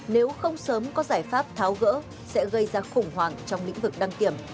nếu không sớm có giải pháp tháo gỡ sẽ gây ra khủng hoảng trong lĩnh vực đăng kiểm